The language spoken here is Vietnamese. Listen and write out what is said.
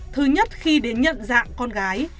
thứ nhất khi đến nhận dạng con gái